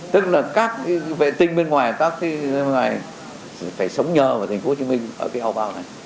tức là các vệ tinh bên ngoài các thiên nhiên bên ngoài phải sống nhờ vào thành phố hồ chí minh ở cái ao bao này